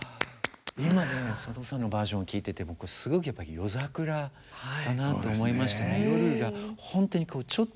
今のね佐藤さんのバージョンを聴いてて僕すごくやっぱり夜桜だなと思いましたね。